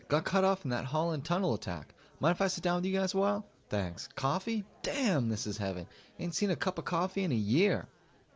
Got cut off in that Holland Tunnel attack. Mind if I sit down with you guys a while? Thanks. Coffee? Damn! This is heaven. Ain't seen a cup of coffee in a year.